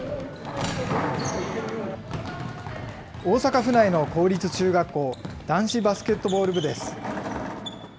大阪府内の公立中学校、男子バスケットボール部です。